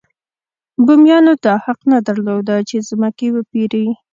بومیانو دا حق نه درلود چې ځمکې وپېري.